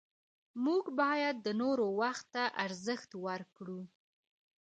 موږ باید د نورو وخت ته ارزښت ورکړو